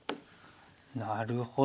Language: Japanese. なるほど。